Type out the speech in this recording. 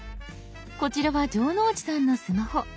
こちらは城之内さんのスマホ。